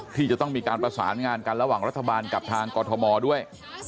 ที่จะต้องมีการประสานงานกันระหว่างรัฐบาลกับทางกรทมด้วย